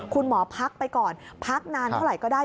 พักไปก่อนพักนานเท่าไหร่ก็ได้